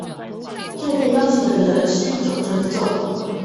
對被邀請的人是一種尊重